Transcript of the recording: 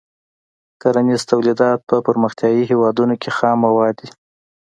کرنیز تولیدات په پرمختیايي هېوادونو کې خام مواد دي.